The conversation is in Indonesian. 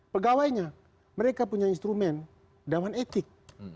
pegawainya mereka punya instrumen dawan etik